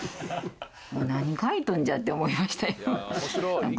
何書いとんじゃって思いましたよ。